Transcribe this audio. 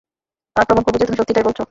আর প্রমাণ করবো যে, তুমি সত্যিটাই বলছো।